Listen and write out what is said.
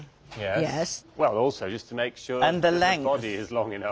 よし。